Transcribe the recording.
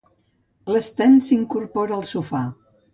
L'Sten s'incorpora al sofà.